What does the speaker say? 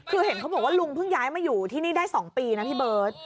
คือเห็นเขาบอกว่าลุงเพิ่งย้ายมาอยู่ที่นี่ได้๒ปีนะพี่เบิร์ต